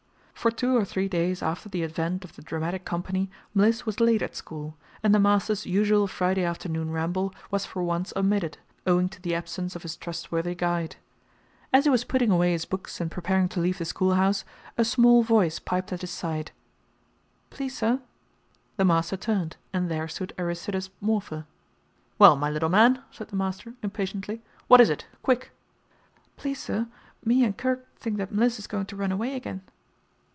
For two or three days after the advent of the dramatic company, Mliss was late at school, and the master's usual Friday afternoon ramble was for once omitted, owing to the absence of his trustworthy guide. As he was putting away his books and preparing to leave the schoolhouse, a small voice piped at his side, "Please, sir?" The master turned and there stood Aristides Morpher. "Well, my little man," said the master, impatiently, "what is it? quick!" "Please, sir, me and 'Kerg' thinks that Mliss is going to run away agin."